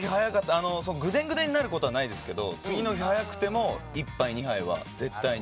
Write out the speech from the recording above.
ぐでんぐでんになることはないですけど次の日早くても１杯、２杯は絶対に。